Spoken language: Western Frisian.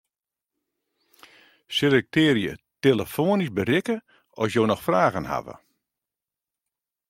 Selektearje 'telefoanysk berikke as jo noch fragen hawwe'.